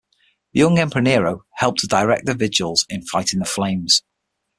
The young Emperor Nero helped to direct the Vigiles in fighting the flames.